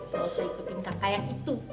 gak usah ikutin kakak yang itu